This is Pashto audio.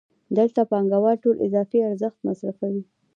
دلته پانګوال ټول اضافي ارزښت مصرفوي